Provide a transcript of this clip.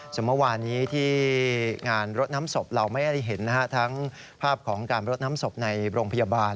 ส่วนเมื่อวานี้ที่งานรดน้ำศพเราไม่ได้เห็นทั้งภาพของการรดน้ำศพในโรงพยาบาล